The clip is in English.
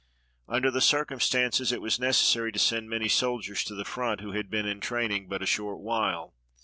Under the circumstances it was necessary to send many soldiers to the front who had been in training but a short while.